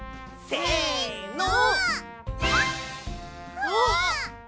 せの！